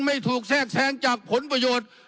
ไม่ถูกแทรกแทรงจากผลประโยชน์